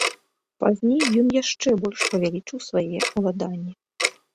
Пазней ён яшчэ больш павялічыў свае ўладанні.